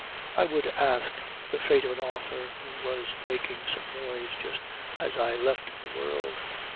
I would ask the fate of an author who was making some noise just as I left the world.